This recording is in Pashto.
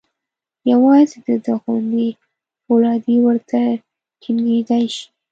یوازې د ده غوندې فولادي ورته ټینګېدای شي.